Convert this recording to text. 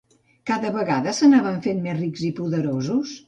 Cada vegada s'anaven fent més rics i poderosos?